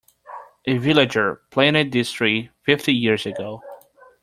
A villager planted this tree fifty years ago.